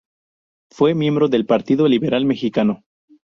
Fue miembro del Partido Liberal Mexicano.